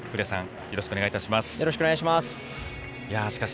よろしくお願いします。